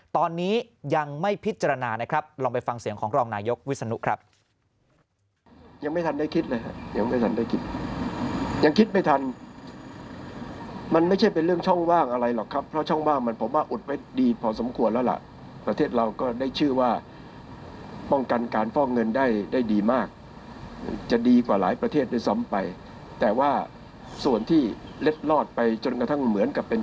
ตอนนี้ยังไม่พิจารณานะครับลองไปฟังเสียงของรองนายกวิศนุครับ